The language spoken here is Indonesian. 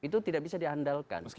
tidak bisa diandalkan